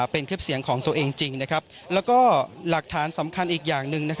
เป็นคลิปเสียงของตัวเองจริงแล้วก็หลักฐานสำคัญอีกอย่างหนึ่ง